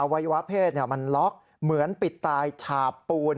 อวัยวะเพศล็อกต่อเหมือนปิดตายชาวปูน